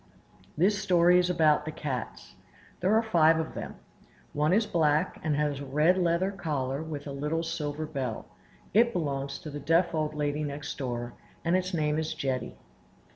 This story is about the cats. There are five of them. One is black, and has a red leather collar with a little silver bell; it belongs to the deaf old lady next door, and its name is Jetty.